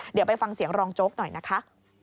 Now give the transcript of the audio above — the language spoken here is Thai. เดี๋ยวไปฟังเสียงรองโจ๊กหน่อยนะคะ